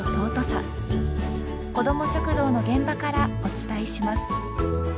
こども食堂の現場からお伝えします。